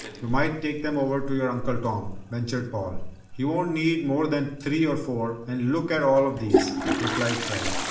"You might take them over to your Uncle Tom," ventured Paul. "He won't need more than three or four and look at all of these," replied Fred.